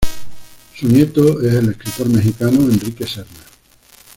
Su nieto es el escritor mexicano Enrique Serna.